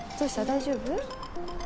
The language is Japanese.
大丈夫？